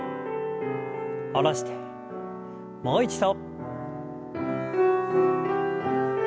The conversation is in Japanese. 下ろしてもう一度。